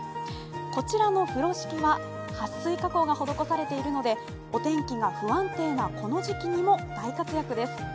こちらの風呂敷ははっ水加工が施されているので、お天気が不安定なこの時期にも大活躍です。